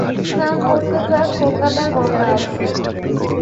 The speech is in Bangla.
স্নান করতে চাস কলকাতার গঙ্গা আছে।